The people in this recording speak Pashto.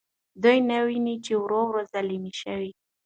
دوی نه ویني چې ورور یې ځلمی شوی.